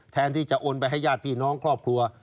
แทนที่จะโอนไปให้ญาติพี่น้องครอบครัว